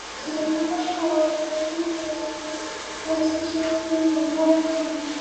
To the public or the market, phrases like "special offer" are more common.